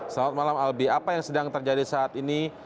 selamat malam albi apa yang sedang terjadi saat ini